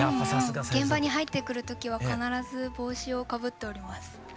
現場に入ってくる時は必ず帽子をかぶっております。